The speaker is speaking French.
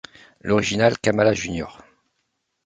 L'original Kamala Jr.